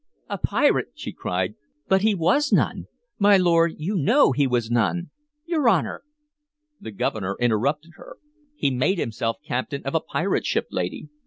"A pirate!" she cried. "But he was none! My lord, you know he was none! Your Honor" The Governor interrupted her: "He made himself captain of a pirate ship, lady.